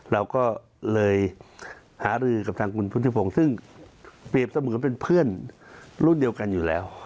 เราก็เลยหารือกับทางคุณพุทธิพงศ์ซึ่งเปรียบเสมือนเป็นเพื่อนรุ่นเดียวกันอยู่แล้ว